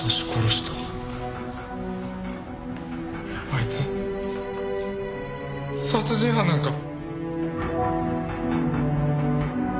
あいつ殺人犯なんか？